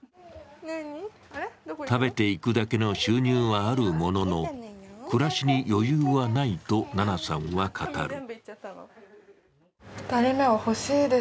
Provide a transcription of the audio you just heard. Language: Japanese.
食べていくだけの収入はあるものの、暮らしに余裕はないと、ななさんは語る。